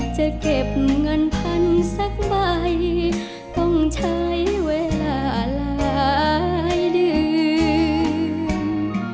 จะเก็บเงินพันสักใบต้องใช้เวลาหลายเดือน